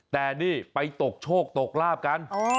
แต่นี่ไปตกโชคตกลาบกัน